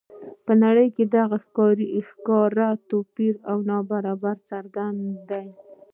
په نړۍ کې دغه ښکاره توپیرونه او نابرابري څرګنده ده.